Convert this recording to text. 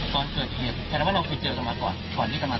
ตอนเกิดเหตุแสดงว่าเราคุยเจอสมัครก่อนพอที่สมัครตอนแม่ครับครับ